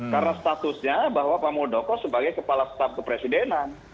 karena statusnya bahwa pak muldoko sebagai kepala staf kepresidenan